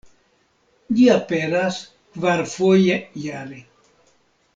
Ĝi aperas kvarfoje jare.